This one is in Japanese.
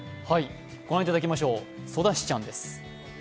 御覧いただきましょう、ソダシちゃんです。